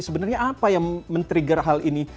sebenarnya apa yang men trigger hal ini